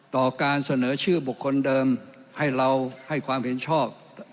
ต่อการเสนอชื่อบุคคลเดิมให้เราให้ความเห็นชอบ